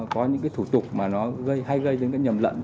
có những thủ tục hay gây đến những nhầm lẫn